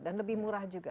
dan lebih murah juga